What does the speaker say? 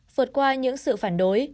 vượt qua những sự phản đối